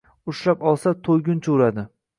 Ushlab olsa, to'yguncha uradi.